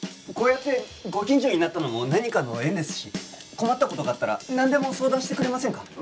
こうやってご近所になったのも何かの縁ですし困った事があったらなんでも相談してくれませんか？